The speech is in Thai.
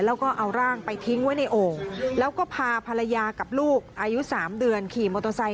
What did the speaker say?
แล้วก็เอาร่างไปทิ้งไว้ในโอ่งแล้วก็พาภรรยากับลูกอายุ๓เดือนขี่มอเตอร์ไซค